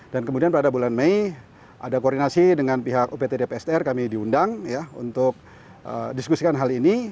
dan kemudian pada bulan mei ada koordinasi dengan pihak uptd psdr kami diundang untuk diskusikan hal ini